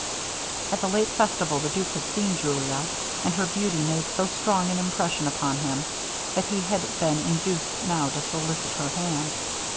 At the late festival the duke had seen Julia; and her beauty made so strong an impression upon him, that he had been induced now to solicit her hand.